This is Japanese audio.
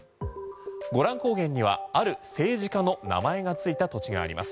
ゴラン高原にはある政治家の名前がついた土地があります。